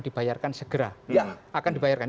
dibayarkan segera akan dibayarkan